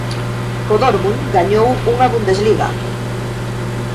Co Dortmund gañou unha bundesliga.